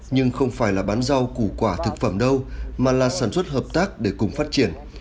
nhưng không phải là bán rau củ quả thực phẩm đâu mà là sản xuất hợp tác để cùng phát triển